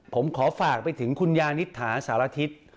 ผมขอฝากไปถึงคุณยานิษฐาสารทิศ